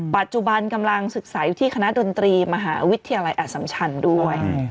ปัจจุบันกำลังศึกษาอยู่ที่คณะดนตรีมหาวิทยาลัยอสัมชันด้วย